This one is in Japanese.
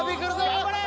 頑張れ！